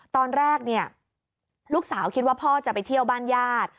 ตอนแรกเนี่ยลูกสาวคิดว่าพ่อจะไปเที่ยวบ้านญาติ